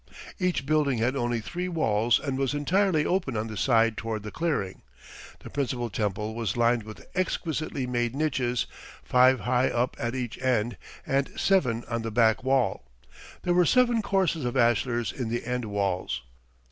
Each building had only three walls and was entirely open on the side toward the clearing. The principal temple was lined with exquisitely made niches, five high up at each end, and seven on the back wall. There were seven courses of ashlars in the end walls.